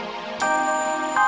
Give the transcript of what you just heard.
bebek masih marah sama papa